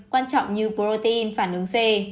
quan trọng như protein phản ứng c